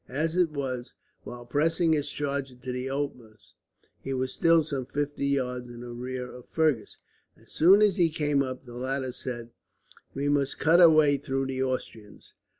As it was, while pressing his charger to the utmost, he was still some fifty yards in rear of Fergus. As soon as he came up, the latter said: "We must cut our way through the Austrians.